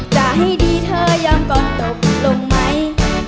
จะให้ดีเธอยอมก่อนตกลงไหม